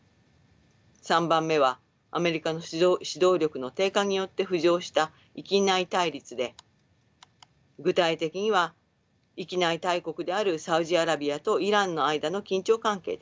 ３番目はアメリカの指導力の低下によって浮上した域内対立で具体的には域内大国であるサウジアラビアとイランの間の緊張関係です。